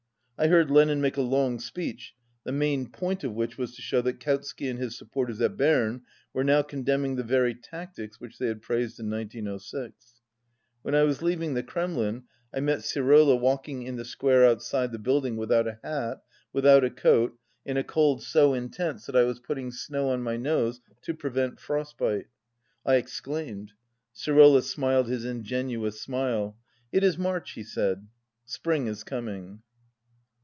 I heard Lenin make a long speech, the main point of which was to show that Kautsky and his supporters at Berne were now condemning the very tactics which they had praised in 1906. When I was leaving the Kremlin I met Sirola walking in the square out side the building without a hat, without a coat, in a cold so intense that I was putting snow on my nose to prevent frost bite. I exclaimed. Sirola smiled his ingenuous smile. "It is March," he said, "Spring is coming."